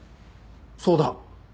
そうだ！